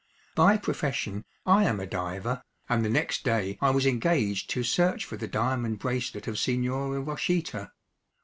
By profession I am a diver, and the next day I was engaged to search for the diamond bracelet of Signora Rochita.